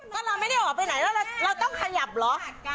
ก็เราไม่ได้ออกไปไหนแล้วเราต้องขยับเหรอ